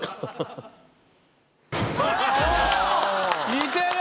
似てる！